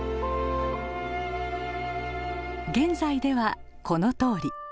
現在ではこのとおり。